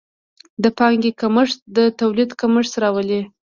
د پانګې کمښت د تولید کمښت راولي.